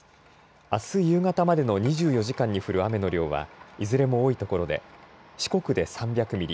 あす夕方までの２４時間に降る雨の量はいずれも多い所で四国で３００ミリ